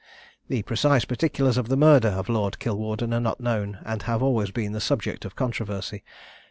The precise particulars of the murder of Lord Kilwarden are not known, and have always been the subject of controversy.